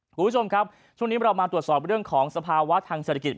คุณผู้ชมครับช่วงนี้เรามาตรวจสอบเรื่องของสภาวะทางเศรษฐกิจ